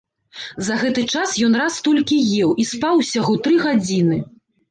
За гэты час ён раз толькі еў і спаў усяго тры гадзіны.